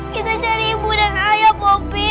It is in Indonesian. kita cari ibu dan ayah popi